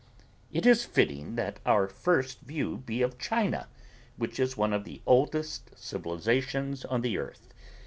It is fitting that our first view be of China which is one of the oldest civilizations on the earth.